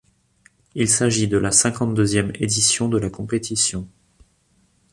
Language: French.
Il s'agît de la cinquante-deuxième édition de la compétition.